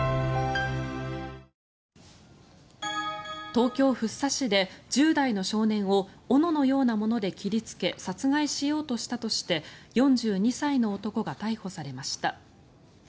東京・福生市で１０代の少年を斧のようなもので切りつけ殺害しようとしたとして４２歳の男が逮捕されました。